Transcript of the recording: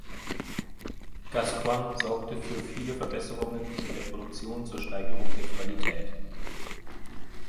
Gascoigne sorgte für viele Verbesserungen in der Produktion zur Steigerung der Qualität.